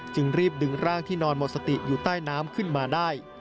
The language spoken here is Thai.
จึงรีบดึงร่างที่นอนหมดสติอยู่ใต้น้ำขึ้นมาได้